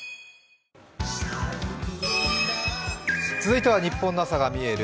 続いては「ニッポンの朝がみえる！